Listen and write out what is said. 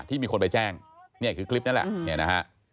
ที่มีคนไปแจ้งนี่คือคลิปนั่นแหละ